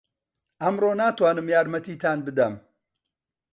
ئەمڕۆ ناتوانم یارمەتیتان بدەم.